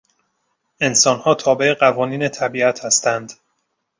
انسانها تابع قوانین طبیعت هستند.